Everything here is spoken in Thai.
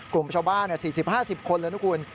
กลุ่มชาวบ้าน๔๐๕๐คนเลยนะคุณ